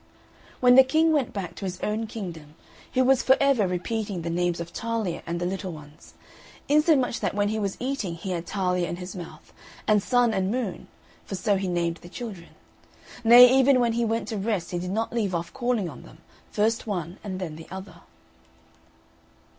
When the King went back to his own kingdom he was for ever repeating the names of Talia and the little ones, insomuch that, when he was eating he had Talia in his mouth, and Sun and Moon (for so he named the children); nay, even when he went to rest he did not leave off calling on them, first one and then the other.